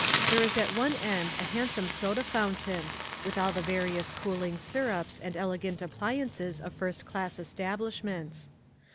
There is at one end a handsome soda fountain, with all the vari ous cooling syrups and elegant appliances of first class establishments.